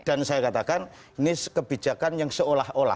dan saya katakan ini kebijakan yang seolah olah